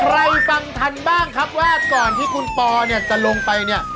ฟังทันบ้างครับว่าก่อนที่คุณปอเนี่ยจะลงไปเนี่ย